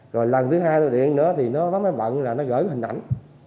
rồi lần thứ hai tôi điện nữa thì nó bắt máy bận là nó gửi hình ảnh